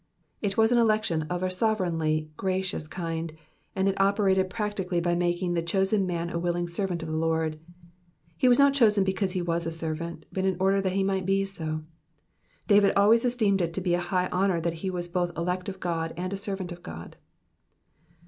'*'* It was an election of a sovereignly gracious kind, and it operated practically by making the chosen man a willing servant of the Lord. He was not chosen because he was a servant, but in order that he might be so. David always esteemed it to be a high honour that he was both elect of God, and a servant of God.